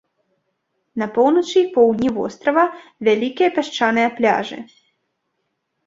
На поўначы і поўдні вострава вялікія пясчаныя пляжы.